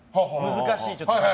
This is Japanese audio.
難しい。